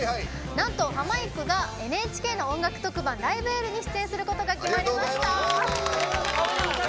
なんと、ハマいくがＮＨＫの音楽特番「ライブ・エール」に出演することが決まりました。